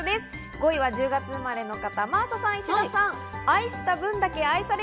５位は１０月生まれの方、真麻さん、石田さん。